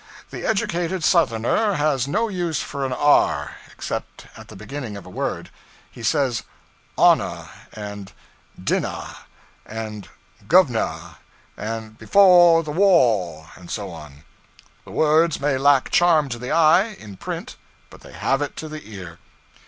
The educated Southerner has no use for an r, except at the beginning of a word. He says 'honah,' and 'dinnah,' and 'Gove'nuh,' and 'befo' the waw,' and so on. The words may lack charm to the eye, in print, but they have it to the ear.